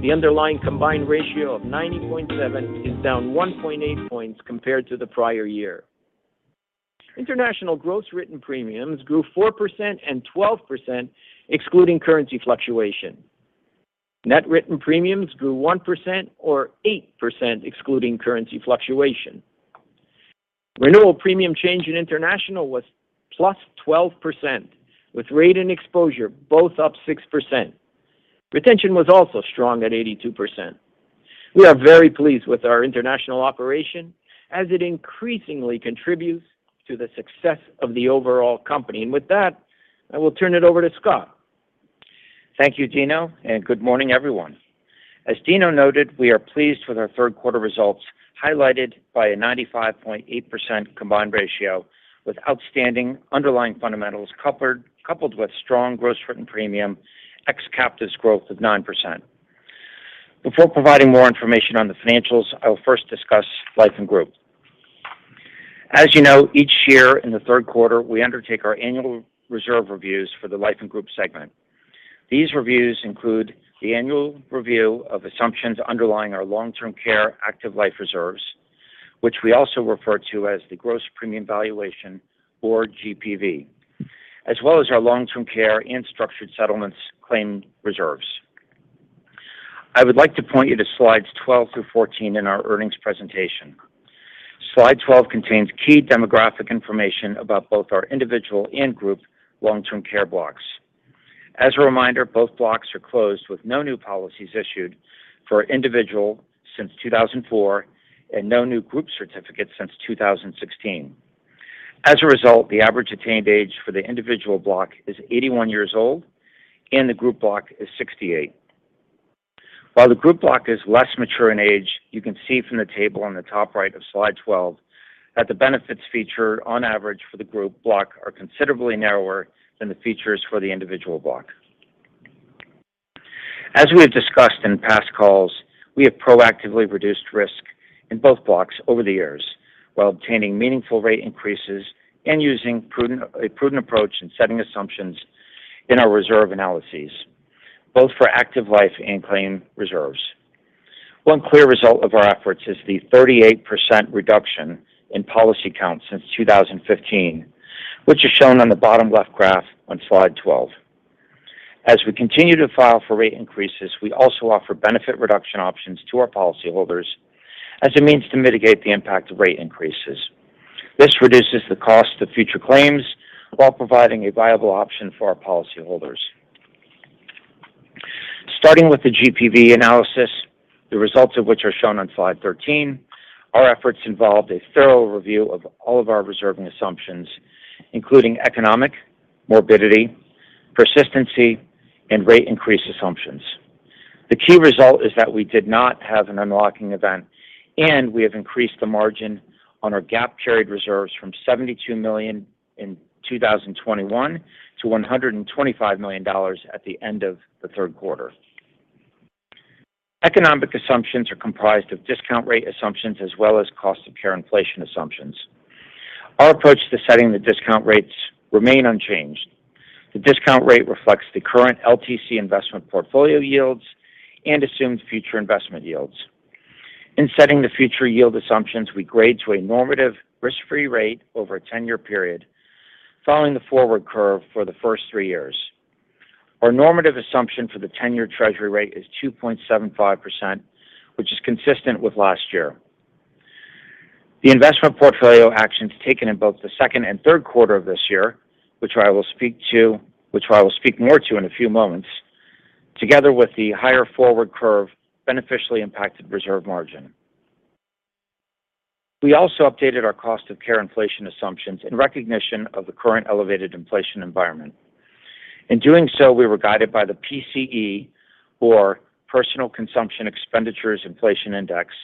The underlying combined ratio of 90.7 is down 1.8 points compared to the prior year. International gross written premiums grew 4% and 12% excluding currency fluctuation. Net written premiums grew 1% or 8% excluding currency fluctuation. Renewal premium change in international was +12%, with rate and exposure both up 6%. Retention was also strong at 82%. We are very pleased with our international operation as it increasingly contributes to the success of the overall company. With that, I will turn it over to Scott. Thank you, Dino, and good morning, everyone. As Dino noted, we are pleased with our third quarter results, highlighted by a 95.8% combined ratio with outstanding underlying fundamentals coupled with strong gross written premium ex captives growth of 9%. Before providing more information on the financials, I will first discuss Life & Group. As you know, each year in the third quarter, we undertake our annual reserve reviews for the Life & Group segment. These reviews include the annual review of assumptions underlying our long-term care active life reserves, which we also refer to as the gross premium valuation or GPV, as well as our long-term care and structured settlements claim reserves. I would like to point you to slides 12 through 14 in our earnings presentation. Slide 12 contains key demographic information about both our individual and group long-term care blocks. As a reminder, both blocks are closed with no new policies issued for individual since 2004, and no new group certificates since 2016. As a result, the average attained age for the individual block is 81 years old and the group block is 68. While the group block is less mature in age, you can see from the table on the top right of slide 12 that the benefits featured on average for the group block are considerably narrower than the features for the individual block. As we have discussed in past calls, we have proactively reduced risk in both blocks over the years while obtaining meaningful rate increases and using a prudent approach in setting assumptions in our reserve analyses, both for active life and claim reserves. One clear result of our efforts is the 38% reduction in policy count since 2015, which is shown on the bottom left graph on slide 12. As we continue to file for rate increases, we also offer benefit reduction options to our policyholders as a means to mitigate the impact of rate increases. This reduces the cost of future claims while providing a viable option for our policyholders. Starting with the GPV analysis, the results of which are shown on slide 13, our efforts involved a thorough review of all of our reserving assumptions, including economic, morbidity, persistency, and rate increase assumptions. The key result is that we did not have an unlocking event, and we have increased the margin on our GAAP carried reserves from $72 million in 2021 to $125 million at the end of the third quarter. Economic assumptions are comprised of discount rate assumptions as well as cost of care inflation assumptions. Our approach to setting the discount rates remain unchanged. The discount rate reflects the current LTC investment portfolio yields and assumed future investment yields. In setting the future yield assumptions, we grade to a normative risk-free rate over a 10-year period, following the forward curve for the first three years. Our normative assumption for the 10-year treasury rate is 2.75%, which is consistent with last year. The investment portfolio actions taken in both the second and third quarter of this year, which I will speak more to in a few moments, together with the higher forward curve, beneficially impacted reserve margin. We also updated our cost of care inflation assumptions in recognition of the current elevated inflation environment. In doing so, we were guided by the PCE, or Personal Consumption Expenditures Price Index,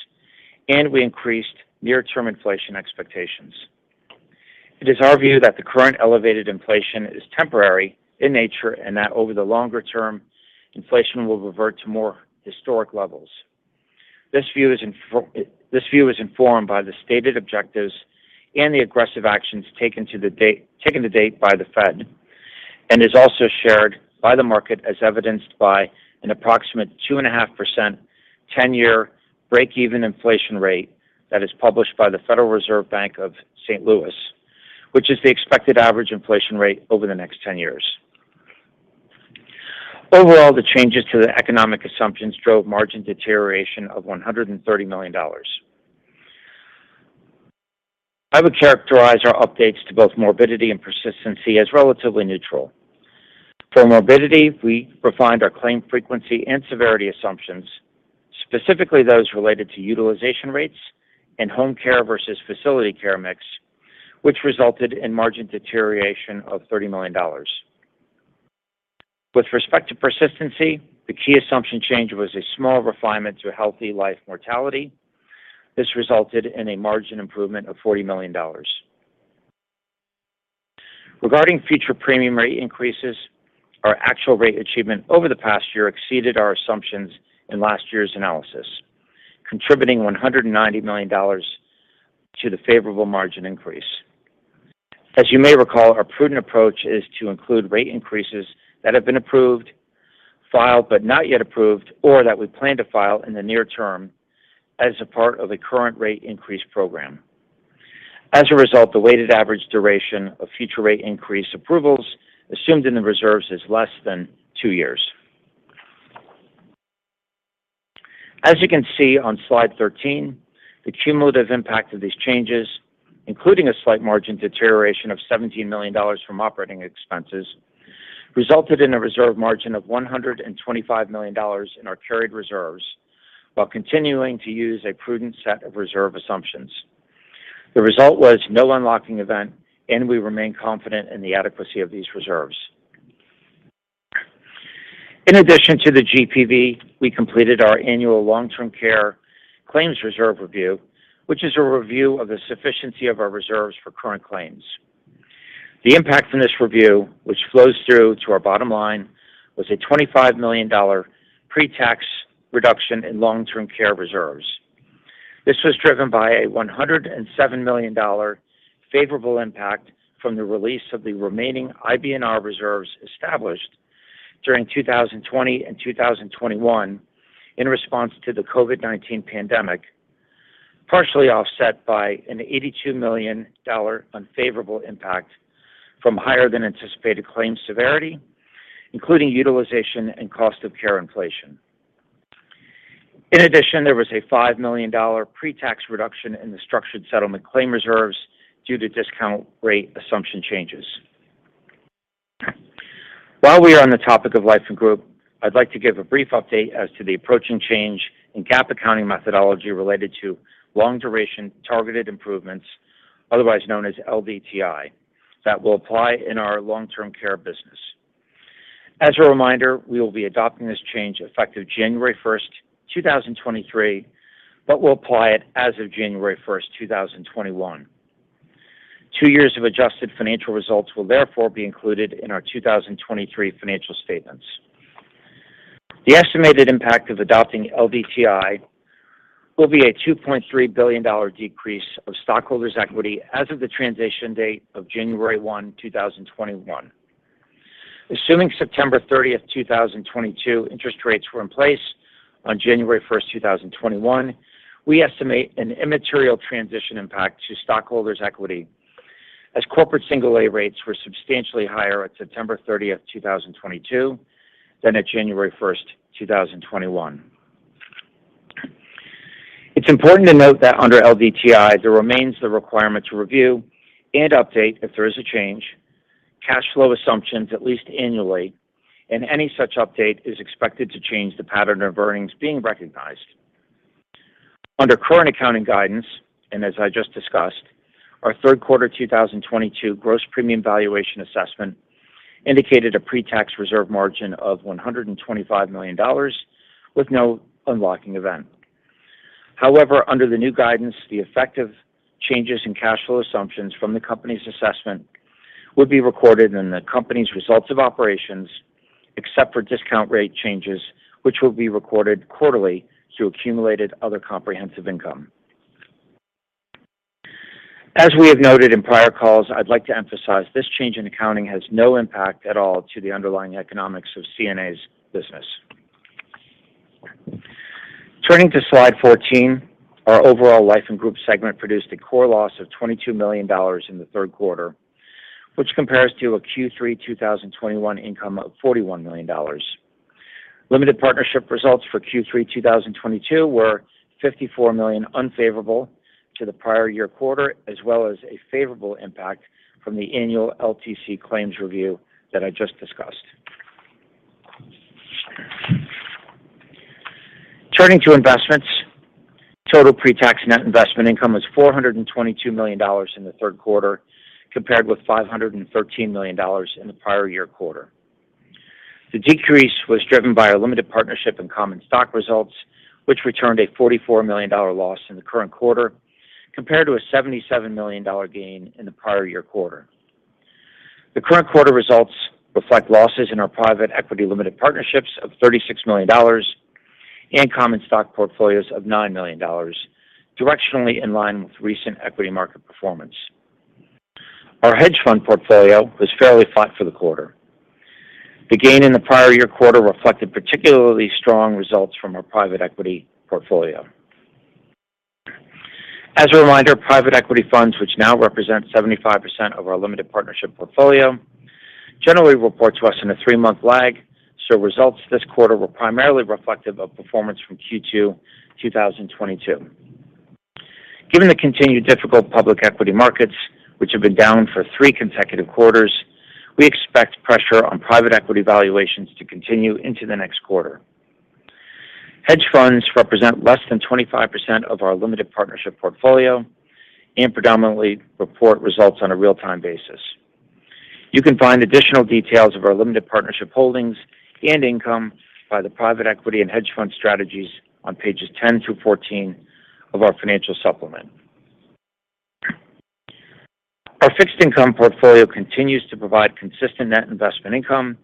and we increased near-term inflation expectations. It is our view that the current elevated inflation is temporary in nature, and that over the longer term, inflation will revert to more historic levels. This view is informed by the stated objectives and the aggressive actions taken to date by the Fed, and is also shared by the market as evidenced by an approximate 2.5% 10-year break-even inflation rate that is published by the Federal Reserve Bank of St. Louis, which is the expected average inflation rate over the next 10 years. Overall, the changes to the economic assumptions drove margin deterioration of $130 million. I would characterize our updates to both morbidity and persistency as relatively neutral. For morbidity, we refined our claim frequency and severity assumptions, specifically those related to utilization rates and home care versus facility care mix, which resulted in margin deterioration of $30 million. With respect to persistency, the key assumption change was a small refinement to healthy life mortality. This resulted in a margin improvement of $40 million. Regarding future premium rate increases, our actual rate achievement over the past year exceeded our assumptions in last year's analysis, contributing $190 million to the favorable margin increase. As you may recall, our prudent approach is to include rate increases that have been approved, filed, but not yet approved, or that we plan to file in the near term as a part of the current rate increase program. As a result, the weighted average duration of future rate increase approvals assumed in the reserves is less than two years. As you can see on slide 13, the cumulative impact of these changes, including a slight margin deterioration of $17 million from operating expenses, resulted in a reserve margin of $125 million in our carried reserves while continuing to use a prudent set of reserve assumptions. The result was no unlocking event, and we remain confident in the adequacy of these reserves. In addition to the GPV, we completed our annual long-term care claims reserve review, which is a review of the sufficiency of our reserves for current claims. The impact from this review, which flows through to our bottom line, was a $25 million pre-tax reduction in long-term care reserves. This was driven by a $107 million favorable impact from the release of the remaining IBNR reserves established during 2020 and 2021 in response to the COVID-19 pandemic, partially offset by an $82 million unfavorable impact from higher than anticipated claims severity, including utilization and cost of care inflation. In addition, there was a $5 million pre-tax reduction in the structured settlement claim reserves due to discount rate assumption changes. While we are on the topic of Life & Group, I'd like to give a brief update as to the approaching change in GAAP accounting methodology related to long-duration targeted improvements, otherwise known as LDTI, that will apply in our long-term care business. As a reminder, we will be adopting this change effective January 1st, 2023, but we'll apply it as of January 1st, 2021. Two years of adjusted financial results will therefore be included in our 2023 financial statements. The estimated impact of adopting LDTI will be a $2.3 billion decrease of stockholders' equity as of the transition date of January 1, 2021. Assuming September 30, 2022 interest rates were in place on January 1st, 2021, we estimate an immaterial transition impact to stockholders' equity as corporate single A rates were substantially higher at September 30th, 2022 than at January 1st, 2021. It's important to note that under LDTI, there remains the requirement to review and update if there is a change, cash flow assumptions at least annually, and any such update is expected to change the pattern of earnings being recognized. Under current accounting guidance, and as I just discussed, our third quarter 2022 gross premium valuation assessment indicated a pre-tax reserve margin of $125 million with no unlocking event. However, under the new guidance, the effective changes in cash flow assumptions from the company's assessment would be recorded in the company's results of operations, except for discount rate changes, which will be recorded quarterly through accumulated other comprehensive income. As we have noted in prior calls, I'd like to emphasize this change in accounting has no impact at all to the underlying economics of CNA's business. Turning to slide 14, our overall Life & Group segment produced a core loss of $22 million in the third quarter, which compares to a Q3 2021 income of $41 million. Limited partnership results for Q3 2022 were $54 million unfavorable to the prior year quarter, as well as a favorable impact from the annual LTC claims review that I just discussed. Turning to investments, total pre-tax net investment income was $422 million in the third quarter compared with $513 million in the prior year quarter. The decrease was driven by our limited partnership and common stock results, which returned a $44 million loss in the current quarter compared to a $77 million gain in the prior year quarter. The current quarter results reflect losses in our private equity limited partnerships of $36 million and common stock portfolios of $9 million, directionally in line with recent equity market performance. Our hedge fund portfolio was fairly flat for the quarter. The gain in the prior year quarter reflected particularly strong results from our private equity portfolio. As a reminder, private equity funds, which now represent 75% of our limited partnership portfolio, generally report to us in a three-month lag, so results this quarter were primarily reflective of performance from Q2 2022. Given the continued difficult public equity markets, which have been down for three consecutive quarters, we expect pressure on private equity valuations to continue into the next quarter. Hedge funds represent less than 25% of our limited partnership portfolio and predominantly report results on a real-time basis. You can find additional details of our limited partnership holdings and income by the private equity and hedge fund strategies on pages 10-14 of our financial supplement. Our fixed income portfolio continues to provide consistent net investment income,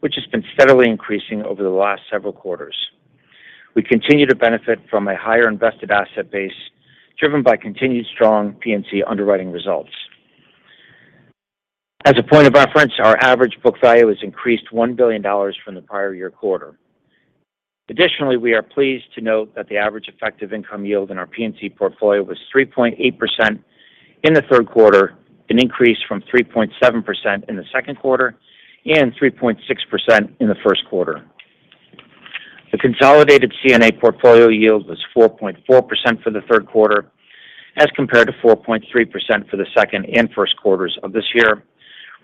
which has been steadily increasing over the last several quarters. We continue to benefit from a higher invested asset base driven by continued strong P&C underwriting results. As a point of reference, our average book value has increased $1 billion from the prior year quarter. Additionally, we are pleased to note that the average effective income yield in our P&C portfolio was 3.8% in the third quarter, an increase from 3.7% in the second quarter and 3.6% in the first quarter. The consolidated CNA portfolio yield was 4.4% for the third quarter as compared to 4.3% for the second and first quarters of this year,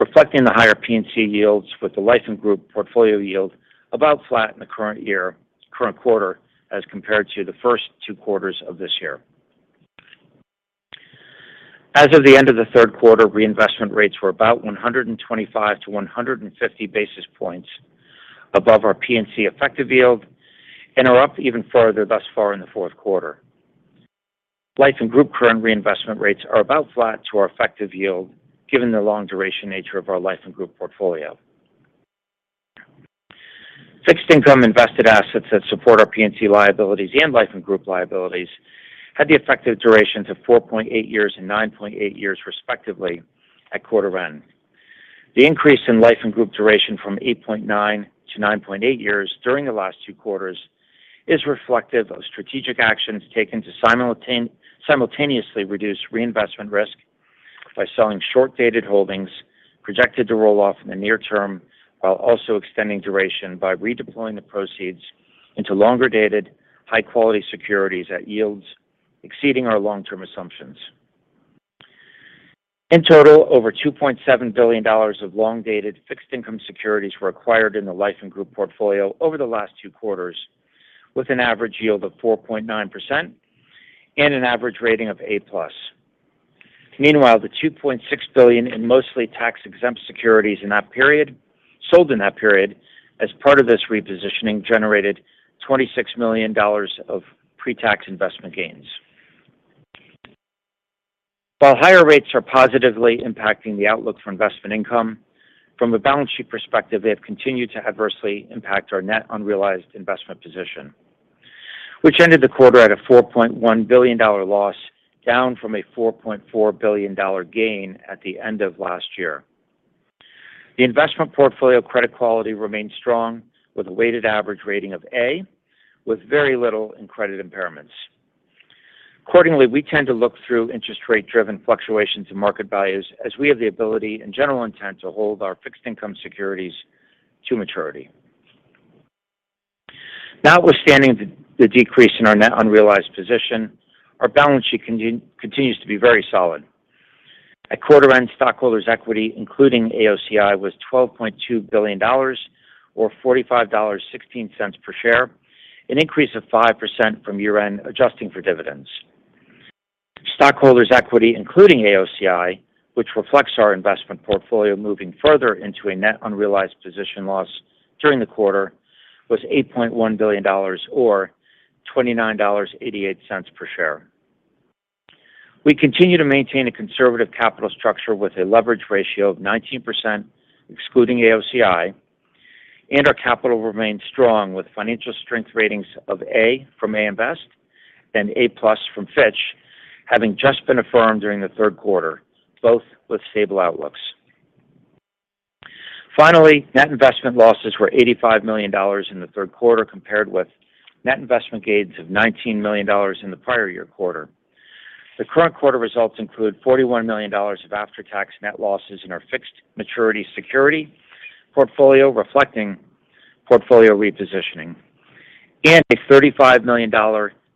reflecting the higher P&C yields, with the Life & Group portfolio yield about flat in the current year, current quarter as compared to the first two quarters of this year. As of the end of the third quarter, reinvestment rates were about 125-150 basis points above our P&C effective yield and are up even further thus far in the fourth quarter. Life & Group current reinvestment rates are about flat to our effective yield given the long duration nature of our Life & Group portfolio. Fixed income invested assets that support our P&C liabilities and Life & Group liabilities had the effective durations of 4.8 years and 9.8 years, respectively, at quarter end. The increase in Life & Group duration from 8.9 to 9.8 years during the last two quarters is reflective of strategic actions taken to simultaneously reduce reinvestment risk by selling short-dated holdings projected to roll off in the near term, while also extending duration by redeploying the proceeds into longer-dated, high-quality securities at yields exceeding our long-term assumptions. In total, over $2.7 billion of long-dated fixed income securities were acquired in the Life & Group portfolio over the last two quarters, with an average yield of 4.9% and an average rating of A+. Meanwhile, the $2.6 billion in mostly tax-exempt securities in that period, sold in that period as part of this repositioning, generated $26 million of pre-tax investment gains. While higher rates are positively impacting the outlook for investment income, from a balance sheet perspective, they have continued to adversely impact our net unrealized investment position, which ended the quarter at a $4.1 billion loss, down from a $4.4 billion gain at the end of last year. The investment portfolio credit quality remains strong with a weighted average rating of A, with very little in credit impairments. Accordingly, we tend to look through interest rate-driven fluctuations in market values as we have the ability and general intent to hold our fixed income securities to maturity. Notwithstanding the decrease in our net unrealized position, our balance sheet continues to be very solid. At quarter end, stockholders' equity, including AOCI, was $12.2 billion or $45.16 per share, an increase of 5% from year-end adjusting for dividends. Stockholders' equity, including AOCI, which reflects our investment portfolio moving further into a net unrealized position loss during the quarter, was $8.1 billion or $29.88 per share. We continue to maintain a conservative capital structure with a leverage ratio of 19% excluding AOCI, and our capital remains strong with financial strength ratings of A from AM Best and A+ from Fitch, having just been affirmed during the third quarter, both with stable outlooks. Finally, net investment losses were $85 million in the third quarter compared with net investment gains of $19 million in the prior year quarter. The current quarter results include $41 million of after-tax net losses in our fixed maturity security portfolio, reflecting portfolio repositioning and a $35 million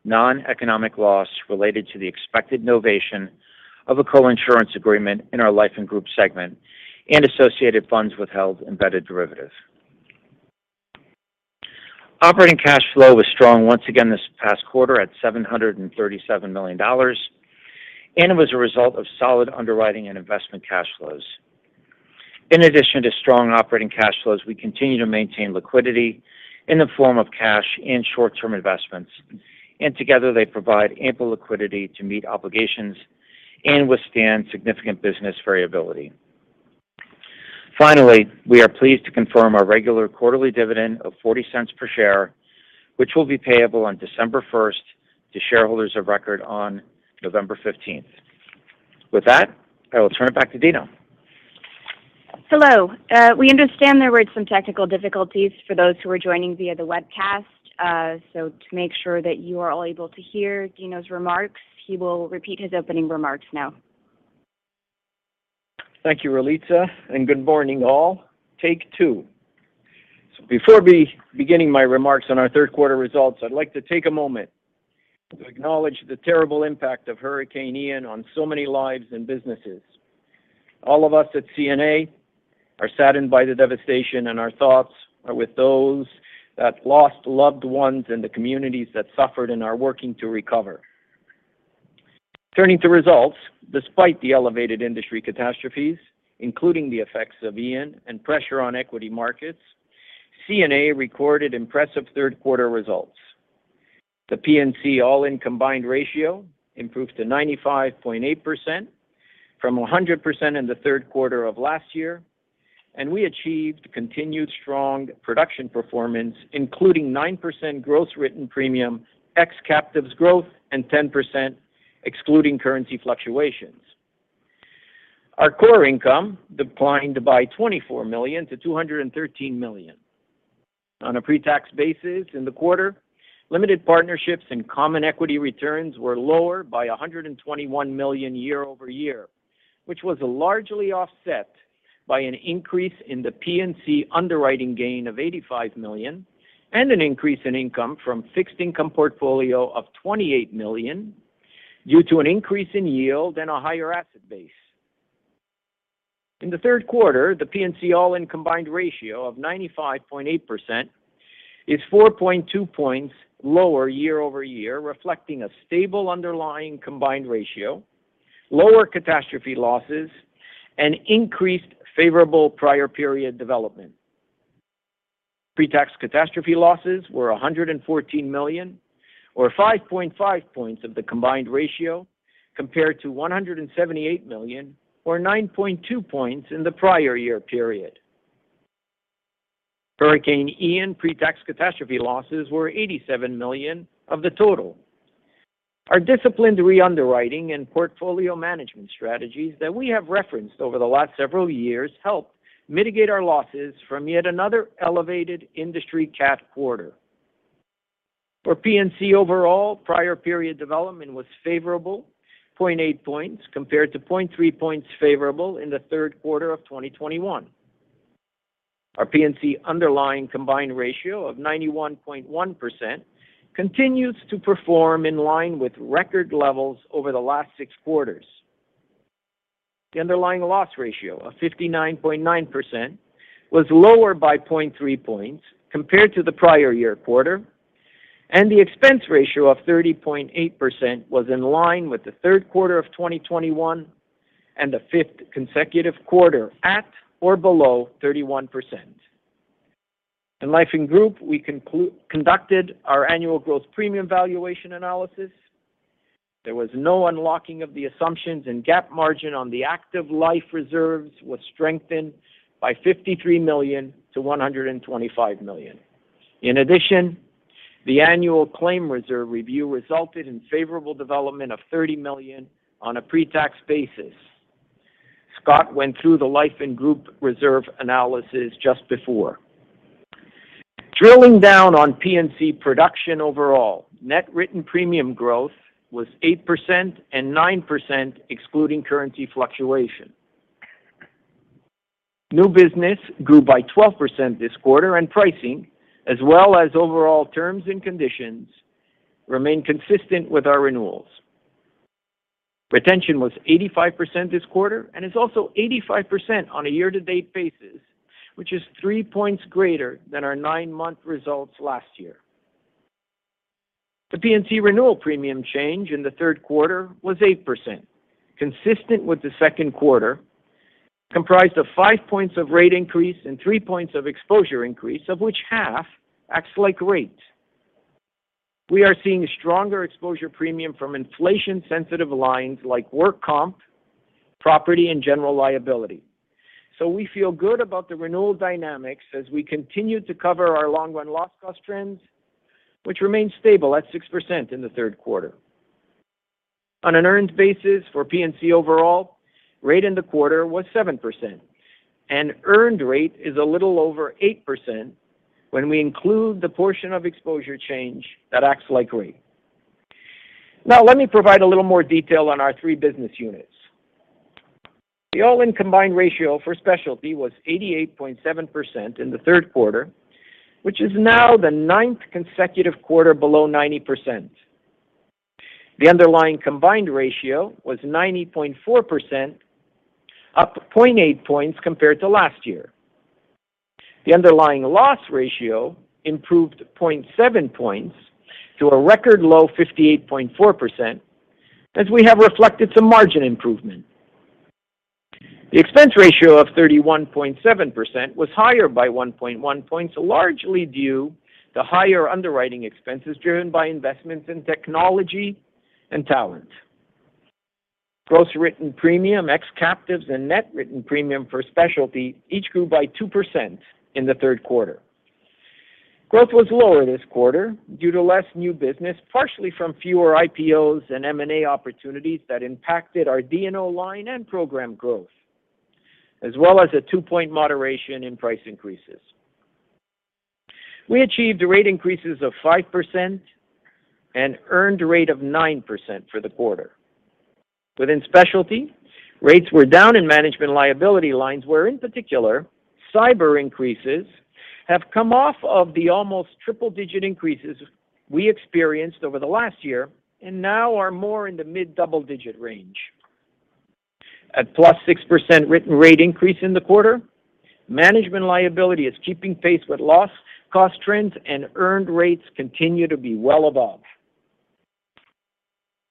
noneconomic loss related to the expected novation of a coinsurance agreement in our Life & Group segment and associated funds withheld embedded derivative. Operating cash flow was strong once again this past quarter at $737 million, and it was a result of solid underwriting and investment cash flows. In addition to strong operating cash flows, we continue to maintain liquidity in the form of cash and short-term investments, and together they provide ample liquidity to meet obligations and withstand significant business variability. Finally, we are pleased to confirm our regular quarterly dividend of $0.40 per share, which will be payable on December 1st to shareholders of record on November 15. With that, I will turn it back to Dino. Hello. We understand there were some technical difficulties for those who are joining via the webcast. To make sure that you are all able to hear Dino's remarks, he will repeat his opening remarks now. Thank you, Ralitza, and good morning, all. Take two. Before beginning my remarks on our third quarter results, I'd like to take a moment to acknowledge the terrible impact of Hurricane Ian on so many lives and businesses. All of us at CNA are saddened by the devastation, and our thoughts are with those that lost loved ones and the communities that suffered and are working to recover. Turning to results, despite the elevated industry catastrophes, including the effects of Ian and pressure on equity markets, CNA recorded impressive third quarter results. The P&C all-in combined ratio improved to 95.8% from 100% in the third quarter of last year. We achieved continued strong production performance, including 9% gross written premium ex captives growth and 10% excluding currency fluctuations. Our core income declined by $24 million to $213 million. On a pre-tax basis in the quarter, limited partnerships and common equity returns were lower by $121 million year-over-year, which was largely offset by an increase in the P&C underwriting gain of $85 million and an increase in income from fixed income portfolio of $28 million due to an increase in yield and a higher asset base. In the third quarter, the P&C all-in combined ratio of 95.8% is 4.2 points lower year-over-year, reflecting a stable underlying combined ratio, lower catastrophe losses and increased favorable prior period development. Pre-tax catastrophe losses were $114 million or 5.5 points of the combined ratio compared to $178 million or 9.2 points in the prior year period. Hurricane Ian pre-tax catastrophe losses were $87 million of the total. Our disciplined re-underwriting and portfolio management strategies that we have referenced over the last several years helped mitigate our losses from yet another elevated industry cat quarter. For P&C overall, prior period development was favorable, 0.8 points compared to 0.3 points favorable in the third quarter of 2021. Our P&C underlying combined ratio of 91.1% continues to perform in line with record levels over the last six quarters. The underlying loss ratio of 59.9% was lower by 0.3 points compared to the prior year quarter, and the expense ratio of 30.8% was in line with the third quarter of 2021 and the fifth consecutive quarter at or below 31%. In Life & Group, we conducted our annual gross premium valuation analysis. There was no unlocking of the assumptions, and GAAP margin on the active life reserves was strengthened by $53 million to $125 million. In addition, the annual claim reserve review resulted in favorable development of $30 million on a pre-tax basis. Scott went through the Life & Group reserve analysis just before. Drilling down on P&C production overall, net written premium growth was 8% and 9% excluding currency fluctuation. New business grew by 12% this quarter, and pricing as well as overall terms and conditions remain consistent with our renewals. Retention was 85% this quarter, and it's also 85% on a year to date basis, which is three points greater than our nine-month results last year. The P&C renewal premium change in the third quarter was 8%, consistent with the second quarter, comprised of five points of rate increase and three points of exposure increase, of which half acts like rate. We are seeing stronger exposure premium from inflation-sensitive lines like work comp, property, and general liability. We feel good about the renewal dynamics as we continue to cover our long-run loss cost trends, which remain stable at 6% in the third quarter. On an earned basis for P&C overall, rate in the quarter was 7%, and earned rate is a little over 8% when we include the portion of exposure change that acts like rate. Now let me provide a little more detail on our three business units. The all-in combined ratio for Specialty was 88.7% in the third quarter, which is now the ninth consecutive quarter below 90%. The underlying combined ratio was 90.4%, up 0.8 points compared to last year. The underlying loss ratio improved 0.7 points to a record low 58.4% as we have reflected some margin improvement. The expense ratio of 31.7% was higher by 1.1 points, largely due to higher underwriting expenses driven by investments in technology and talent. Gross written premium, ex captives, and net written premium for Specialty each grew by 2% in the third quarter. Growth was lower this quarter due to less new business, partially from fewer IPOs and M&A opportunities that impacted our D&O line and program growth, as well as a two-point moderation in price increases. We achieved rate increases of 5% and earned a rate of 9% for the quarter. Within Specialty, rates were down in management liability lines, where in particular, cyber increases have come off of the almost triple-digit increases we experienced over the last year and now are more in the mid-double-digit range. At +6% written rate increase in the quarter, management liability is keeping pace with loss cost trends, and earned rates continue to be well above.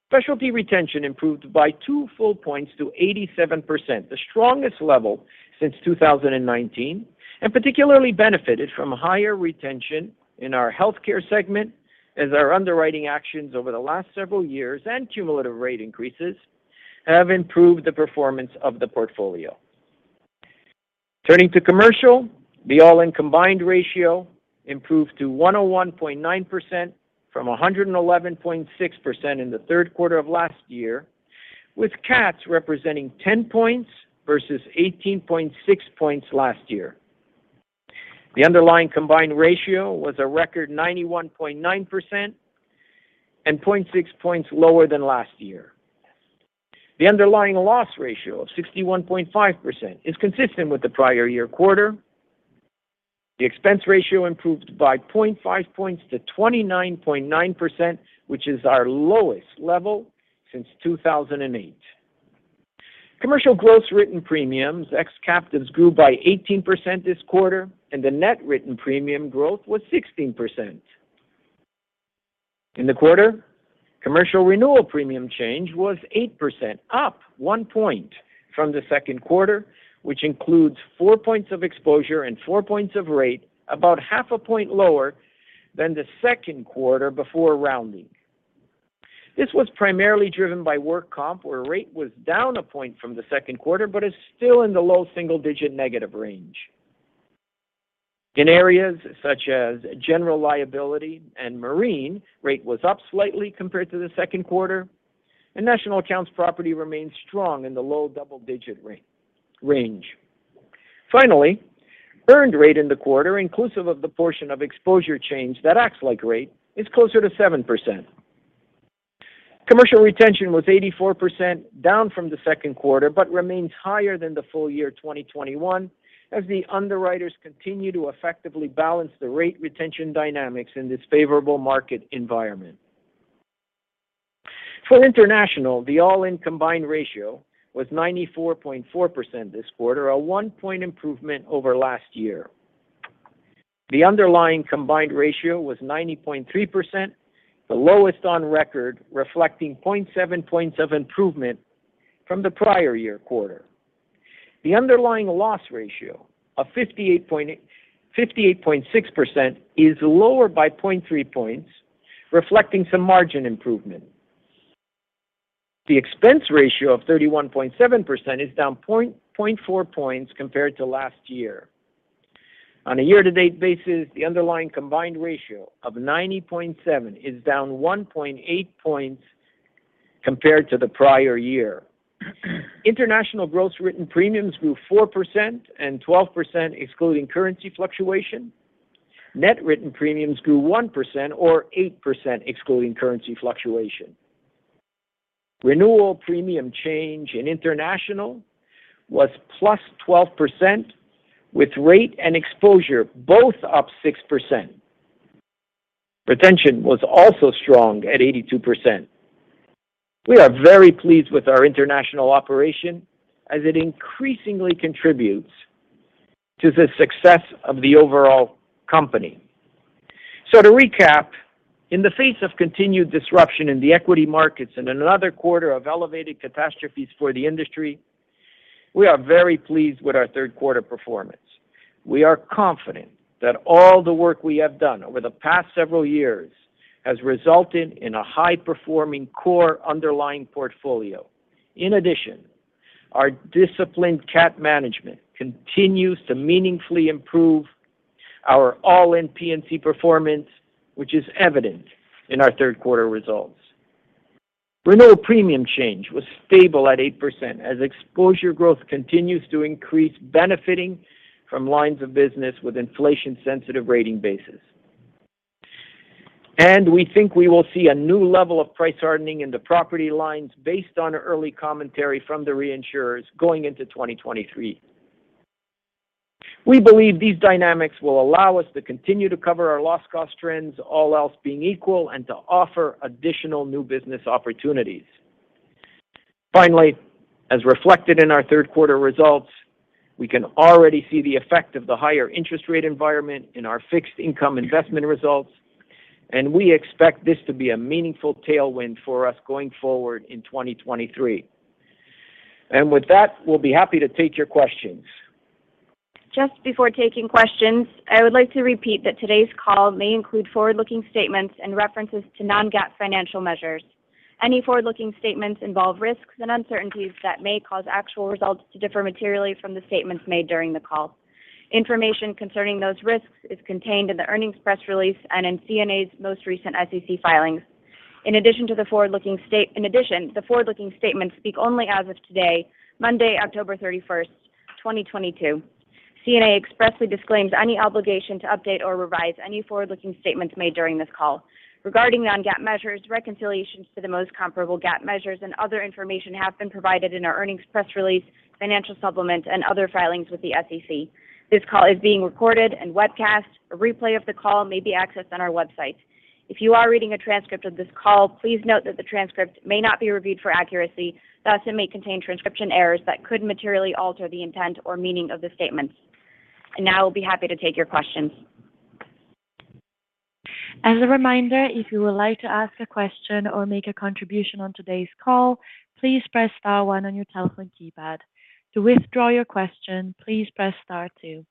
Specialty retention improved by two full points to 87%, the strongest level since 2019, and particularly benefited from higher retention in our healthcare segment. As our underwriting actions over the last several years and cumulative rate increases have improved the performance of the portfolio. Turning to commercial, the all-in combined ratio improved to 101.9% from 111.6% in the third quarter of last year, with CATs representing 10 points versus 18.6 points last year. The underlying combined ratio was a record 91.9% and 0.6 points lower than last year. The underlying loss ratio of 61.5% is consistent with the prior year quarter. The expense ratio improved by 0.5 points to 29.9%, which is our lowest level since 2008. Commercial gross written premiums, ex captives grew by 18% this quarter, and the net written premium growth was 16%. In the quarter, commercial renewal premium change was 8%, up one point from the second quarter, which includes four points of exposure and four points of rate, about half a point lower than the second quarter before rounding. This was primarily driven by work comp, where rate was down a point from the second quarter, but is still in the low single-digit negative range. In areas such as general liability and marine, rate was up slightly compared to the second quarter, and National Accounts property remains strong in the low double-digit range. Finally, earned rate in the quarter, inclusive of the portion of exposure change that acts like rate, is closer to 7%. Commercial retention was 84% down from the second quarter, but remains higher than the full year 2021 as the underwriters continue to effectively balance the rate retention dynamics in this favorable market environment. For international, the all-in combined ratio was 94.4% this quarter, a one-point improvement over last year. The underlying combined ratio was 90.3%, the lowest on record, reflecting 0.7 points of improvement from the prior year quarter. The underlying loss ratio of 58.6% is lower by 0.3 points, reflecting some margin improvement. The expense ratio of 31.7% is down 0.4 points compared to last year. On a year-to-date basis, the underlying combined ratio of 90.7 is down 1.8 points compared to the prior year. International gross written premiums grew 4% and 12% excluding currency fluctuation. Net written premiums grew 1% or 8% excluding currency fluctuation. Renewal premium change in international was +12%, with rate and exposure both up 6%. Retention was also strong at 82%. We are very pleased with our international operation as it increasingly contributes to the success of the overall company. To recap, in the face of continued disruption in the equity markets and another quarter of elevated catastrophes for the industry, we are very pleased with our third quarter performance. We are confident that all the work we have done over the past several years has resulted in a high-performing core underlying portfolio. In addition, our disciplined cat management continues to meaningfully improve our all-in P&C performance, which is evident in our third quarter results. Renewal premium change was stable at 8% as exposure growth continues to increase, benefiting from lines of business with inflation-sensitive rating bases. We think we will see a new level of price hardening in the property lines based on early commentary from the reinsurers going into 2023. We believe these dynamics will allow us to continue to cover our loss cost trends, all else being equal, and to offer additional new business opportunities. Finally, as reflected in our third quarter results, we can already see the effect of the higher interest rate environment in our fixed income investment results, and we expect this to be a meaningful tailwind for us going forward in 2023. With that, we'll be happy to take your questions. Just before taking questions, I would like to repeat that today's call may include forward-looking statements and references to non-GAAP financial measures. Any forward-looking statements involve risks and uncertainties that may cause actual results to differ materially from the statements made during the call. Information concerning those risks is contained in the earnings press release and in CNA's most recent SEC filings. In addition, the forward-looking statements speak only as of today, Monday, October 31st, 2022. CNA expressly disclaims any obligation to update or revise any forward-looking statements made during this call. Regarding non-GAAP measures, reconciliations to the most comparable GAAP measures and other information have been provided in our earnings press release, financial supplement, and other filings with the SEC. This call is being recorded and webcast. A replay of the call may be accessed on our website. If you are reading a transcript of this call, please note that the transcript may not be reviewed for accuracy, thus it may contain transcription errors that could materially alter the intent or meaning of the statements. Now we'll be happy to take your questions. As a reminder, if you would like to ask a question or make a contribution on today's call, please press star one on your telephone keypad. To withdraw your question, please press star two.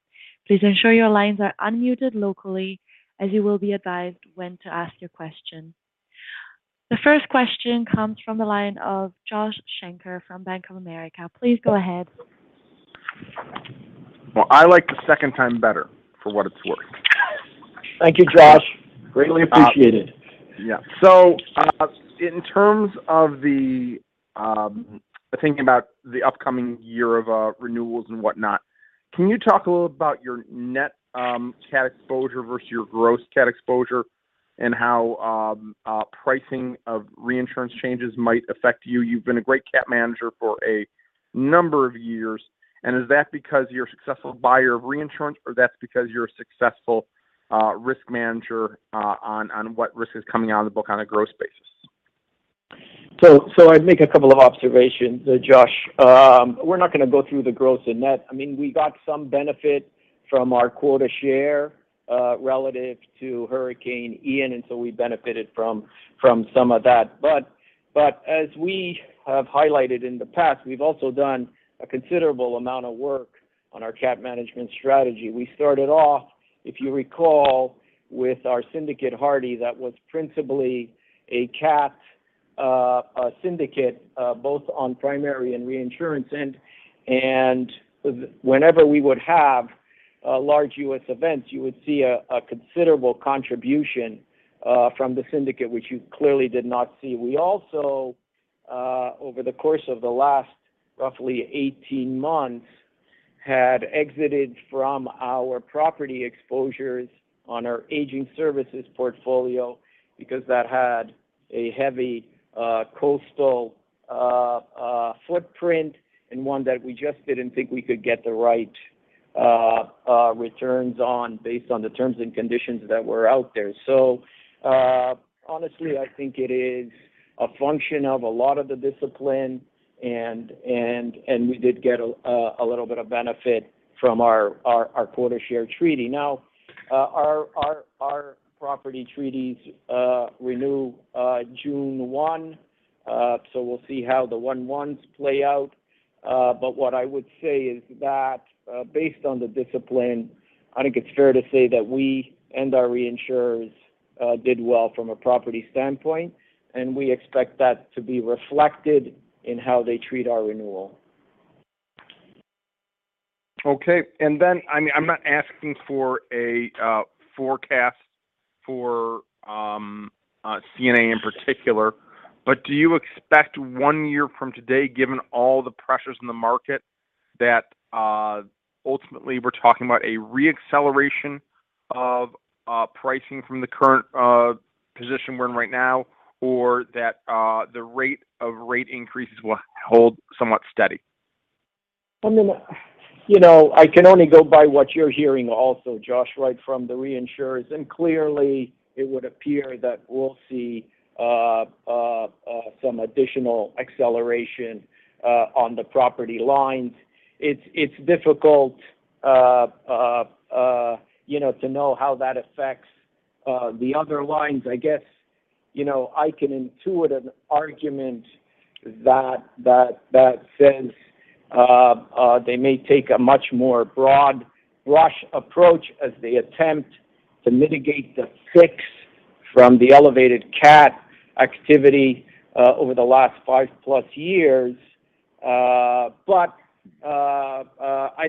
Please ensure your lines are unmuted locally as you will be advised when to ask your question. The first question comes from the line of Josh Shanker from Bank of America. Please go ahead. Well, I like the second time better, for what it's worth. Thank you, Josh. Greatly appreciated. Yeah. In terms of the thinking about the upcoming year of renewals and whatnot, can you talk a little about your net CAT exposure versus your gross CAT exposure and how pricing of reinsurance changes might affect you? You've been a great CAT manager for a number of years, and is that because you're a successful buyer of reinsurance, or that's because you're a successful risk manager on what risk is coming out of the book on a gross basis? I'd make a couple of observations, Josh. We're not going to go through the gross and net. I mean, we got some benefit from our quota share relative to Hurricane Ian, and we benefited from some of that. But as we have highlighted in the past, we've also done a considerable amount of work on our CAT management strategy. We started off, if you recall, with our syndicate Hardy that was principally a CAT syndicate both on primary and reinsurance. Whenever we would have large U.S. events, you would see a considerable contribution from the syndicate, which you clearly did not see. We also over the course of the last roughly 18 months had exited from our property exposures on our aging services portfolio because that had a heavy coastal footprint, and one that we just didn't think we could get the right returns on based on the terms and conditions that were out there. Honestly, I think it is a function of a lot of the discipline and we did get a little bit of benefit from our quota share treaty. Now our property treaties renew June 1, so we'll see how the one-one's play out. What I would say is that, based on the discipline, I think it's fair to say that we and our reinsurers did well from a property standpoint, and we expect that to be reflected in how they treat our renewal. Okay. I mean, I'm not asking for a forecast for CNA in particular, but do you expect one year from today, given all the pressures in the market, that ultimately we're talking about a re-acceleration of pricing from the current position we're in right now, or that the rate of rate increases will hold somewhat steady? I mean, you know, I can only go by what you're hearing also, Josh, right, from the reinsurers. Clearly it would appear that we'll see some additional acceleration on the property lines. It's difficult, you know, to know how that affects the other lines. I guess, you know, I can intuit an argument that says they may take a much more broad brush approach as they attempt to mitigate the risk from the elevated CAT activity over the last 5+ years. I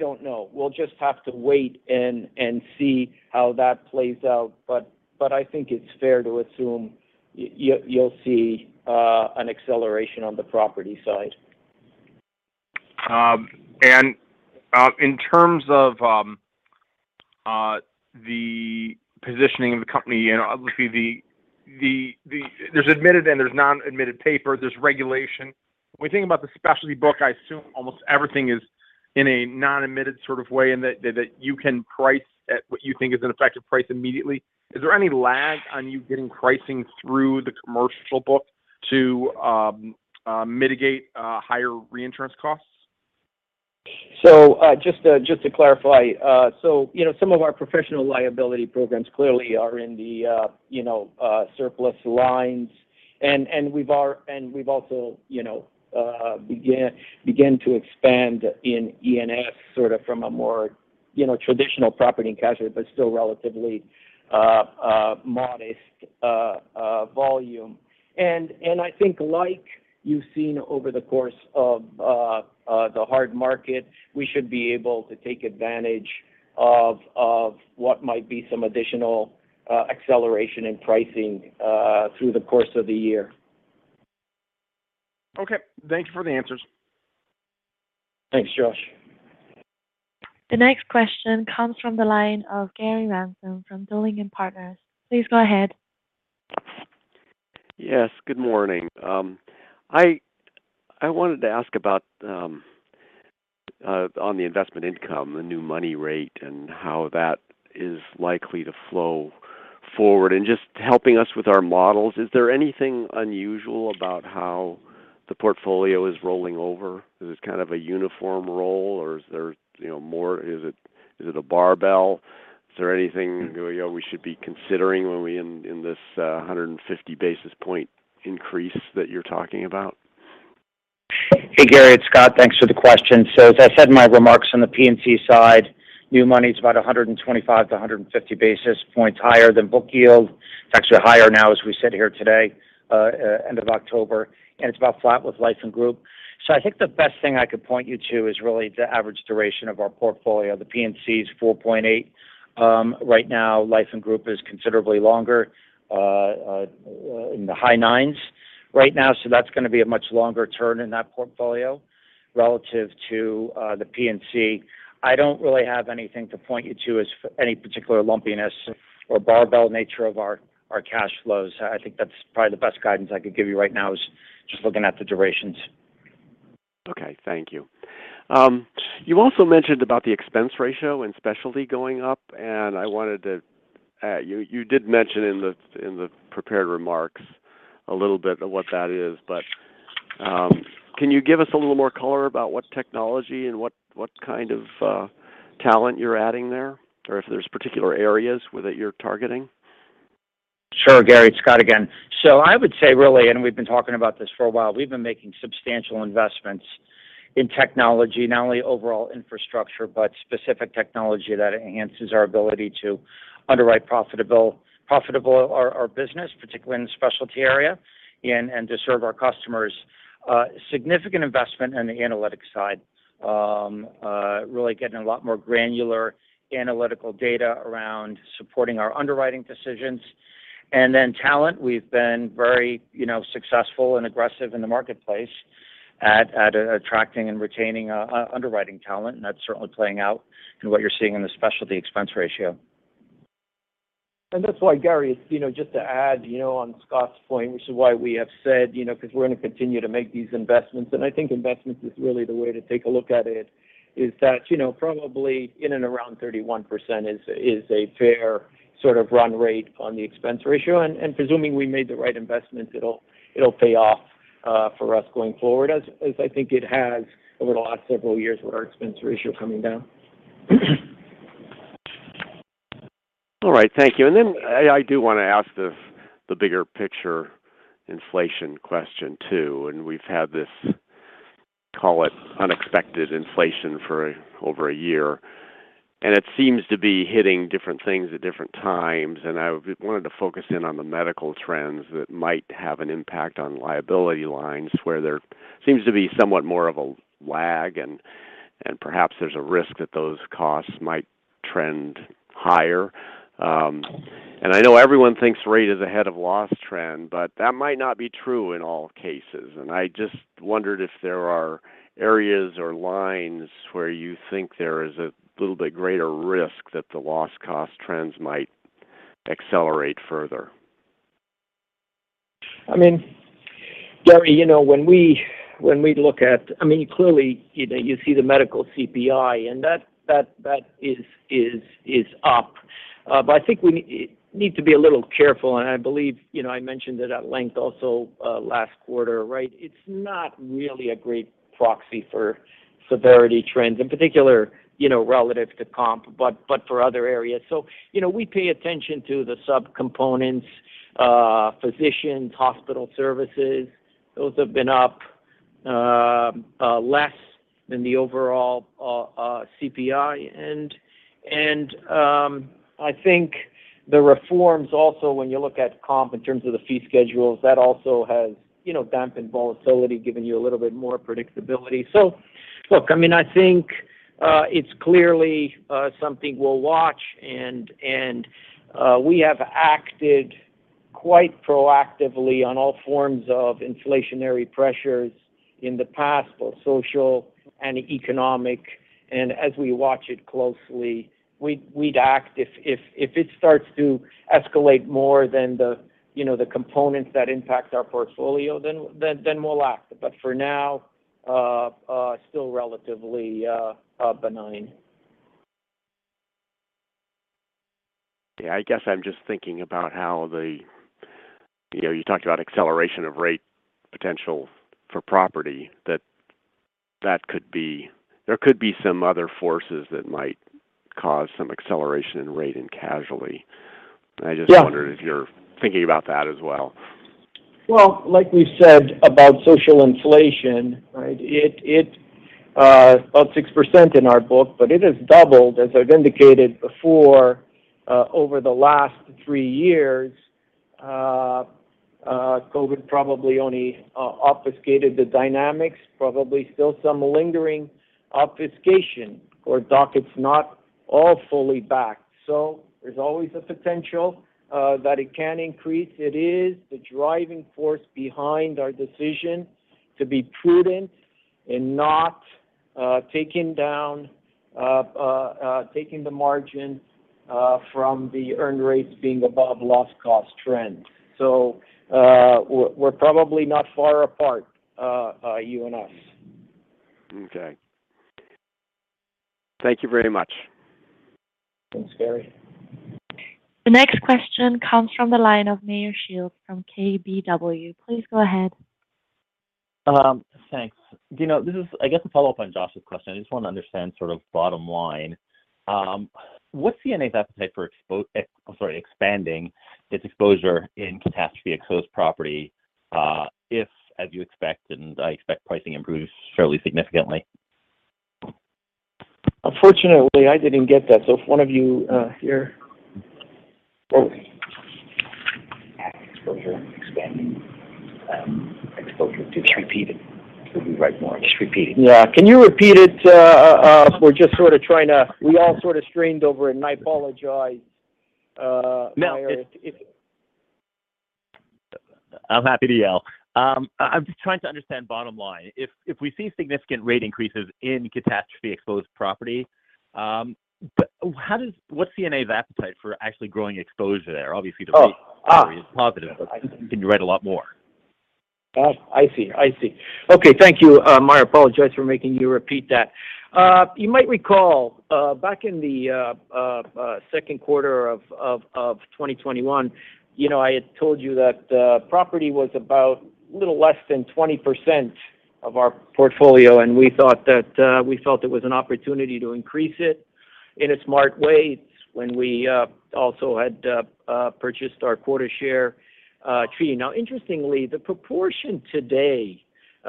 don't know. We'll just have to wait and see how that plays out. I think it's fair to assume you'll see an acceleration on the property side. In terms of the positioning of the company and obviously. There's admitted and there's non-admitted paper, there's regulation. When we think about the specialty book, I assume almost everything is in a non-admitted sort of way and that you can price at what you think is an effective price immediately. Is there any lag on you getting pricing through the commercial book to mitigate higher reinsurance costs? Just to clarify, so you know, some of our professional liability programs clearly are in the, you know, surplus lines. We've also, you know, begun to expand in E&S sort of from a more, you know, traditional property and casualty, but still relatively modest volume. I think like you've seen over the course of the hard market, we should be able to take advantage of what might be some additional acceleration in pricing through the course of the year. Okay. Thank you for the answers. Thanks, Josh. The next question comes from the line of Gary Ransom from Dowling & Partners. Please go ahead. Yes. Good morning. I wanted to ask about on the investment income, the new money rate, and how that is likely to flow forward. Just helping us with our models, is there anything unusual about how the portfolio is rolling over? Is it kind of a uniform roll or is there, you know, more? Is it a barbell? Is there anything, you know, we should be considering when we're in this 150 basis point increase that you're talking about? Hey, Gary, it's Scott. Thanks for the question. As I said in my remarks on the P&C side, new money is about 125-150 basis points higher than book yield. It's actually higher now as we sit here today, end of October, and it's about flat with life and group. I think the best thing I could point you to is really the average duration of our portfolio. The P&C is 4.8. Right now, life and group is considerably longer, in the high nines right now. That's going to be a much longer turn in that portfolio relative to the P&C. I don't really have anything to point you to as any particular lumpiness or barbell nature of our cash flows. I think that's probably the best guidance I could give you right now is just looking at the durations. Okay. Thank you. You also mentioned about the expense ratio and Specialty going up, and you did mention in the prepared remarks a little bit of what that is, but can you give us a little more color about what technology and what kind of talent you're adding there or if there's particular areas that you're targeting? Sure, Gary, it's Scott again. I would say really, we've been talking about this for a while. We've been making substantial investments in technology, not only overall infrastructure, but specific technology that enhances our ability to underwrite profitable business, particularly in the Specialty area and to serve our customers, significant investment in the analytics side. Really getting a lot more granular analytical data around supporting our underwriting decisions. Then talent, we've been very, you know, successful and aggressive in the marketplace at attracting and retaining underwriting talent. That's certainly playing out in what you're seeing in the Specialty expense ratio. That's why, Gary, you know, just to add, you know, on Scott's point, which is why we have said, you know, because we're going to continue to make these investments, and I think investments is really the way to take a look at it, is that, you know, probably in and around 31% is a fair sort of run rate on the expense ratio. Presuming we made the right investments, it'll pay off for us going forward, as I think it has over the last several years with our expense ratio coming down. All right, thank you. Then I do want to ask the bigger picture inflation question, too. We've had this, call it unexpected inflation for over a year, and it seems to be hitting different things at different times. I wanted to focus in on the medical trends that might have an impact on liability lines, where there seems to be somewhat more of a lag and perhaps there's a risk that those costs might trend higher. I know everyone thinks rate is ahead of loss trend, but that might not be true in all cases. I just wondered if there are areas or lines where you think there is a little bit greater risk that the loss cost trends might accelerate further. I mean, Gary, you know, when we look at I mean, clearly, you know, you see the medical CPI, and that is up. I think we need to be a little careful, and I believe, you know, I mentioned it at length also last quarter, right? It's not really a great proxy for severity trends, in particular, you know, relative to comp, but for other areas. You know, we pay attention to the subcomponents, physicians, hospital services. Those have been up less than the overall CPI. I think the reforms also, when you look at comp in terms of the fee schedules, that also has dampened volatility, giving you a little bit more predictability. Look, I mean, I think it's clearly something we'll watch and we have acted quite proactively on all forms of inflationary pressures in the past, both social and economic. As we watch it closely, we'd act if it starts to escalate more than the, you know, the components that impact our portfolio, then we'll act. For now, still relatively benign. Yeah, I guess I'm just thinking about how. You know, you talked about acceleration of rate potential for property, that could be, there could be some other forces that might cause some acceleration in rate and casualty. Yeah. I just wondered if you're thinking about that as well. Well, like we said about social inflation, right, it about 6% in our book, but it has doubled, as I've indicated before, over the last three years. COVID probably only obfuscated the dynamics, probably still some lingering obfuscation or dockets not all fully backed. There's always a potential that it can increase. It is the driving force behind our decision to be prudent in not taking the margin from the earned rates being above loss cost trend. We're probably not far apart, you and us. Okay. Thank you very much. Thanks, Gary. The next question comes from the line of Meyer Shields from KBW. Please go ahead. Thanks. You know, this is, I guess, a follow-up on Josh's question. I just want to understand sort of bottom line. What's CNA's appetite for expanding its exposure in catastrophe-exposed property, if as you expect, and I expect pricing improves fairly significantly? Unfortunately, I didn't get that, so if one of you here. Expanding exposure to- Just repeat it. You can write more. Just repeat it. Yeah. Can you repeat it? We all sort of strained over it, and I apologize, Meyer. No, it's. I'm happy to yell. I'm just trying to understand bottom line. If we see significant rate increases in catastrophe-exposed property, but what's CNA's appetite for actually growing exposure there? Obviously the rate. Oh.... is positive, but can you write a lot more? Oh, I see. Okay, thank you, Meyer. Apologize for making you repeat that. You might recall back in the second quarter of 2021, you know, I had told you that property was about a little less than 20% of our portfolio, and we thought that we felt it was an opportunity to increase it in a smart way. It's when we also had purchased our quota share treaty. Now interestingly, the proportion today,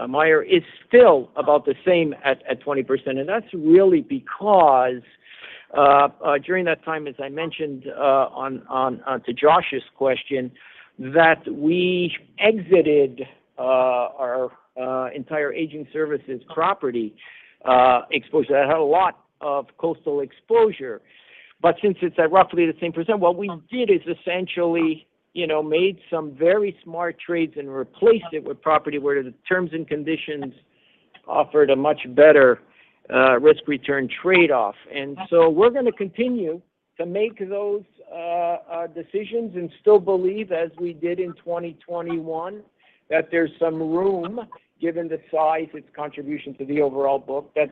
Meyer, is still about the same at 20%, and that's really because during that time, as I mentioned, on to Josh's question, that we exited our entire aging services property exposure that had a lot of coastal exposure. Since it's at roughly the same percent, what we did is essentially, you know, made some very smart trades and replaced it with property where the terms and conditions offered a much better risk-return trade-off. We're gonna continue to make those decisions and still believe, as we did in 2021, that there's some room, given the size, its contribution to the overall book, that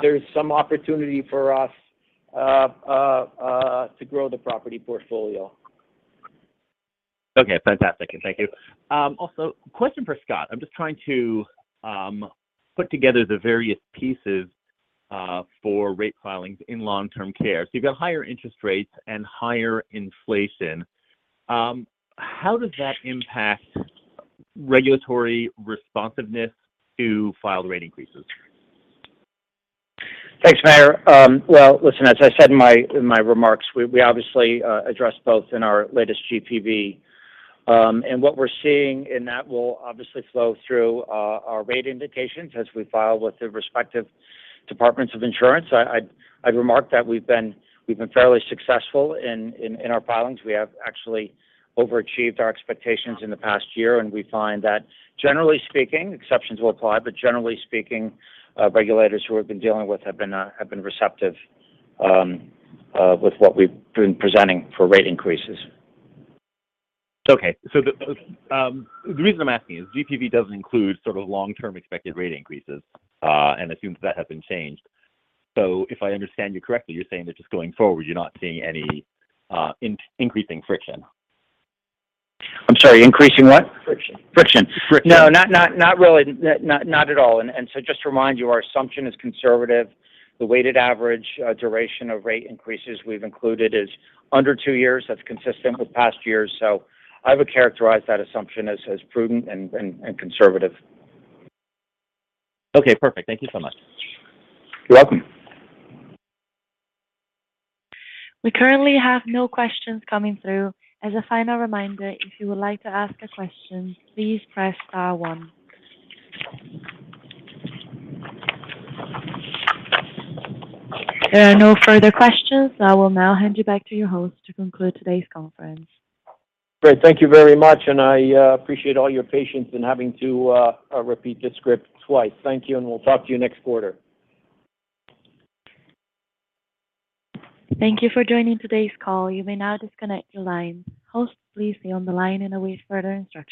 there's some opportunity for us to grow the property portfolio. Okay. Fantastic, and thank you. Also, question for Scott. I'm just trying to put together the various pieces for rate filings in long-term care. You've got higher interest rates and higher inflation. How does that impact regulatory responsiveness to filed rate increases? Thanks, Meyer. Well, listen, as I said in my remarks, we obviously addressed both in our latest GPV, and what we're seeing in that will obviously flow through our rate indications as we file with the respective departments of insurance. I'd remarked that we've been fairly successful in our filings. We have actually overachieved our expectations in the past year, and we find that generally speaking, exceptions will apply, but generally speaking, regulators who we've been dealing with have been receptive with what we've been presenting for rate increases. The reason I'm asking is GPV doesn't include sort of long-term expected rate increases, and assumes that has been changed. If I understand you correctly, you're saying that just going forward, you're not seeing any increasing friction. I'm sorry, increasing what? Friction. Friction. Friction. No, not really. Not at all. Just to remind you, our assumption is conservative. The weighted average duration of rate increases we've included is under two years. That's consistent with past years. I would characterize that assumption as prudent and conservative. Okay, perfect. Thank you so much. You're welcome. We currently have no questions coming through. As a final reminder, if you would like to ask a question, please press star one. There are no further questions. I will now hand you back to your host to conclude today's conference. Great. Thank you very much, and I appreciate all your patience in having to repeat the script twice. Thank you, and we'll talk to you next quarter. Thank you for joining today's call. You may now disconnect your line. Hosts, please stay on the line and await further instructions.